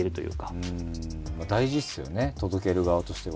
大事ですよね届ける側としては。